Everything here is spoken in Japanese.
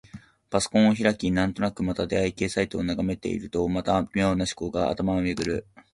パソコンを開き、なんとなくまた出会い系サイトを眺めているとまた、妙な思考が頭をめぐる。